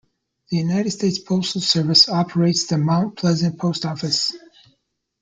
The United States Postal Service operates the Mount Pleasant Post Office.